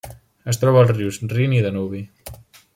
Es troba als rius Rin i Danubi.